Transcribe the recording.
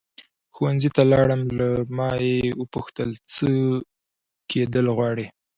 ښوونځي ته لاړم له ما یې وپوښتل څه کېدل غواړې.